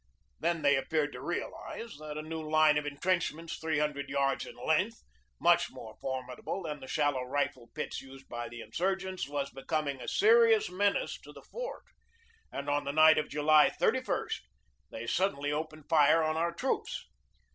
Then they appeared to realize that a new line of intrenchments three hundred yards in length, much more formi dable than the shallow rifle pits used by the insur gents, was becoming a serious menace to the fort, and on the night of July 3 1 they suddenly opened fire on our troops.